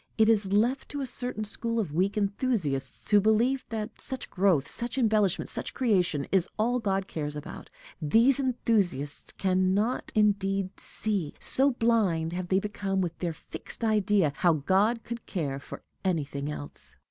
It is left to a certain school of weak enthusiasts, who believe that such growth, such embellishment, such creation, is all God cares about; these enthusiasts can not indeed see, so blind have they become with their fixed idea, how God could care for anything else.